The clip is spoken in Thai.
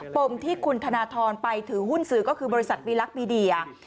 มที่คุณธนทรไปถือหุ้นสื่อก็คือบริษัทวีลักษณ์มีเดีย